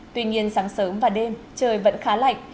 tuy nhiên sáng sớm và đêm trời vẫn khá lạnh